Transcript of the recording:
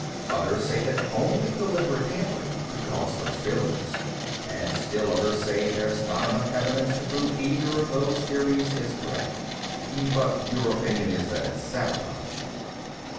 Others say that only deliberate tampering could cause those failures. And still others say that there's not enough evidence to prove either of those theories is correct." "But your opinion is that it's sabotage?"